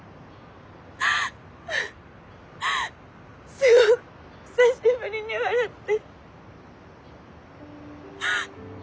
すごく久しぶりに笑って。